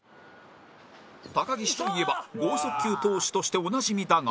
高岸といえば豪速球投手としておなじみだが